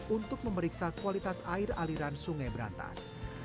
untuk memeriksa kualitas air aliran sungai berantas